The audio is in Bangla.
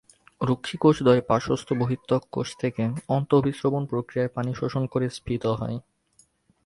রক্ষীকোষদ্বয় পার্শ্বস্থ বহিঃত্বক কোষ থেকে অন্তঃঅভিস্রবণ-প্রক্রিয়ায় পানি শোষণ করে স্ফীত হয়।